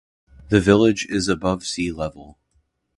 The village is above sea level.